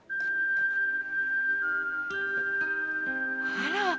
あら！